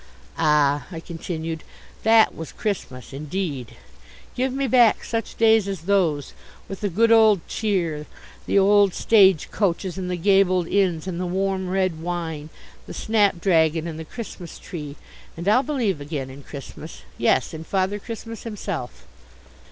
"Ah," I continued, "that was Christmas indeed. Give me back such days as those, with the old good cheer, the old stage coaches and the gabled inns and the warm red wine, the snapdragon and the Christmas tree, and I'll believe again in Christmas, yes, in Father Christmas himself."